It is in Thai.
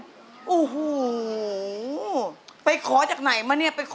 เออพักก่อนไม่เป็นไรลูก